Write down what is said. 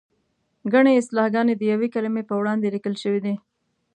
ګڼې اصطلاحګانې د یوې کلمې په وړاندې لیکل شوې دي.